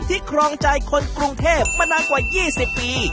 ครองใจคนกรุงเทพมานานกว่า๒๐ปี